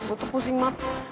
gue tuh pusing banget